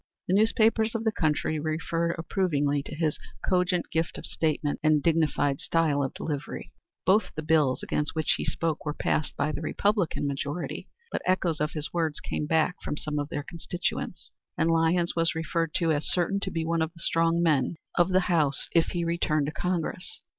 The newspapers of the country referred approvingly to his cogent gift of statement and dignified style of delivery. Both the bills against which he spoke were passed by the Republican majority, but echoes of his words came back from some of their constituents, and Lyons was referred to as certain to be one of the strong men of the House if he returned to Congress.